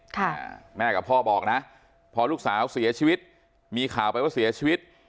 ค่ะแม่กับพ่อบอกนะพอลูกสาวเสียชีวิตมีข่าวไปว่าเสียชีวิต